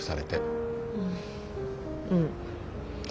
うん。